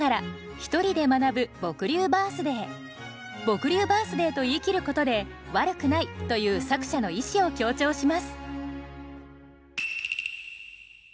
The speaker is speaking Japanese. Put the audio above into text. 「僕流バースデイ」と言い切ることで「わるくない」という作者の意志を強調します。